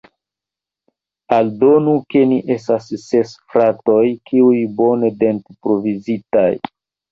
Aldonu, ke ni estas ses fratoj, ĉiuj bone dent-provizitaj.